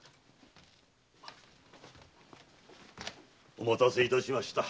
お待たせいたしました。